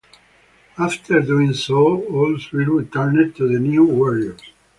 After doing so, all three returned to the New Warriors.